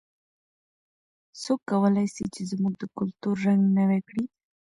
څوک کولای سي چې زموږ د کلتور رنګ نوی کړي؟